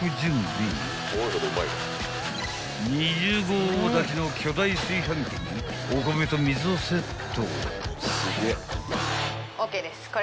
［２０合炊きの巨大炊飯器にお米と水をセット］